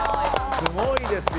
すごいですよ。